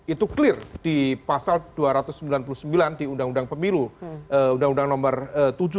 itu clear di pasal dua ratus sembilan puluh sembilan di undang undang pemilu undang undang nomor tujuh tahun dua ribu tujuh belas